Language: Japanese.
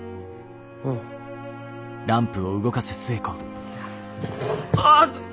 うん。ああ！